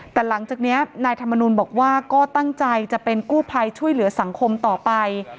แต่หลังจากนี้นายธรรมนุนบอกว่าก็ตั้งใจจะเป็นกู้ภัยช่วยเหลือสังคมต่อไป